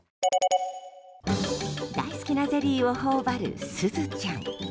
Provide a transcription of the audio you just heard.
大好きなゼリーを頬張るすずちゃん。